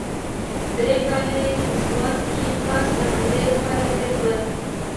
درې کاله يې په سوات کښې خاص د همدې دپاره تېر کړي.